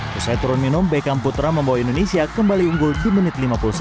setelah turun minum beckham putra membawa indonesia kembali unggul di menit lima puluh satu